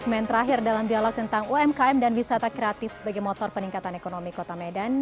segmen terakhir dalam dialog tentang umkm dan wisata kreatif sebagai motor peningkatan ekonomi kota medan